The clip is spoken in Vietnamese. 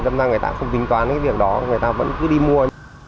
năm nay người ta không tính toán cái việc đó người ta vẫn cứ đi mua